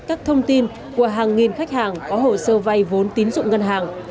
các thông tin của hàng nghìn khách hàng có hồ sơ vay vốn tín dụng ngân hàng